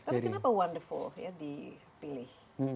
tapi kenapa wonderful ya dipilih